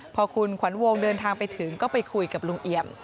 พอคุณขวัญวงเดินทางไปถึงก็ไปคุยกับลุงเอี่ยม